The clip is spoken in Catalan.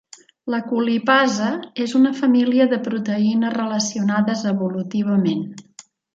La colipasa és una família de proteïnes relacionades evolutivament.